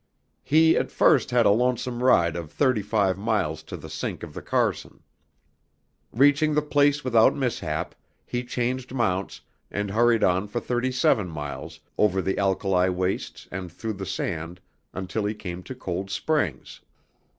He at first had a lonesome ride of thirty five miles to the Sink of the Carson. Reaching the place without mishap, he changed mounts and hurried on for thirty seven miles over the alkali wastes and through the sand until he came to Cold Springs.